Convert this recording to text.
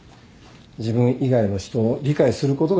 自分以外の人を理解することができる人。